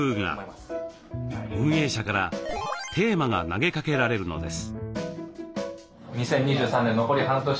運営者からテーマが投げかけられるのです。